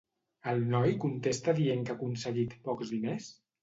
El noi contesta dient que ha aconseguit pocs diners?